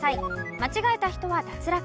間違えた人は脱落。